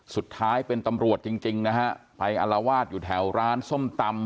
สุดท้ายเป็นตำรวจจริงจริงนะฮะไปอลวาดอยู่แถวร้านส้มตำ